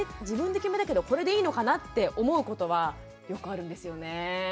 自分で決めたけどこれでいいのかなって思うことはよくあるんですよね。